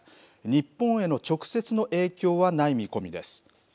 日本への直接の影響はない見込みです。